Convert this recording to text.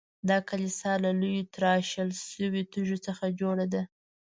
دا کلیسا له لویو تراشل شویو تیږو څخه جوړه ده.